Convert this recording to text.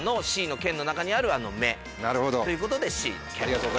Ｃの「県」の中にあるあの「目」。ということでＣの「県」。